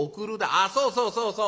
「ああそうそうそうそう。